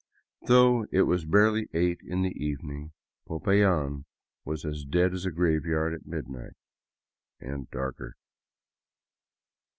Though it was barely eight in the evening, Popayan was as dead as a graveyard at midnight — and darker.